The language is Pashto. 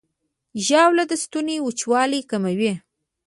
ژاوله د ستوني وچوالی کموي.